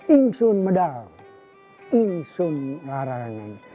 insun medal insun larangan